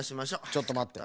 ちょっとまって。